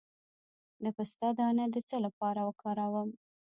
د پسته دانه د څه لپاره وکاروم؟